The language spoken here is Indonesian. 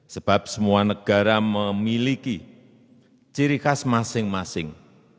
sebab semua negara memiliki ciri khas masing masing